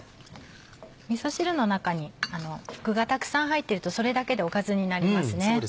みそ汁の中に具がたくさん入ってるとそれだけでおかずになりますね。